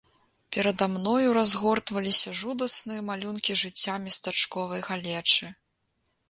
Перада мною разгортваліся жудасныя малюнкі жыцця местачковай галечы.